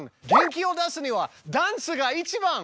元気を出すにはダンスが一番！